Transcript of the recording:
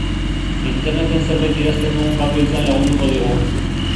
Interneten zerbait idazten dugun bakoitzean lagunduko digu.